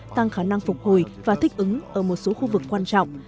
tăng khả năng phục hồi và thích ứng ở một số khu vực quan trọng